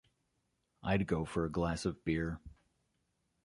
I'd go for a glass of beer.